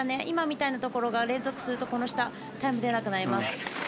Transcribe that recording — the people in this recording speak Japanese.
今みたいなところが連続するとタイム出なくなります。